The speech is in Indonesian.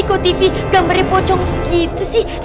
ini kok tv gambarnya pocong segitu sih